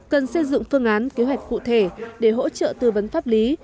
cần xây dựng phương án kế hoạch cụ thể để hỗ trợ tư vấn pháp lý